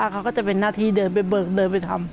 เขาก็จะเป็นหน้าที่เดินไปเบิกเดินไปทำ